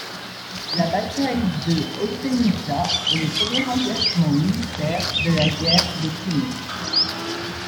La bataille de Olteniza est le premier engagement militaire de la guerre de Crimée.